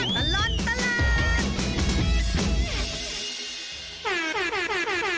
ชวนตลอดตลาด